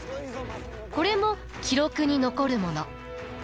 これも記録に残るもの。